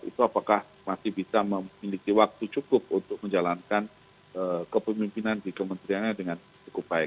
itu apakah masih bisa memiliki waktu cukup untuk menjalankan kepemimpinan di kementeriannya dengan cukup baik